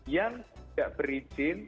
yang tidak berizin